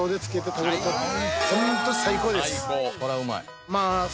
これはうまい。